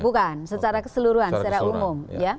bukan secara keseluruhan secara umum